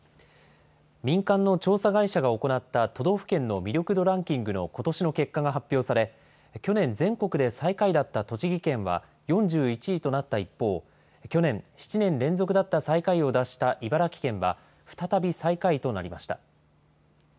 民間の調査会社が行った都道府県の魅力度ランキングのことしの結果が発表され、去年、全国で最下位だった栃木県は４１位となった一方、去年、７年連続だった最下位を脱した茨城県は、再び最下位となりました。